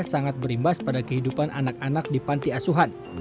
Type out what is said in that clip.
sangat berimbas pada kehidupan anak anak di pantiasuan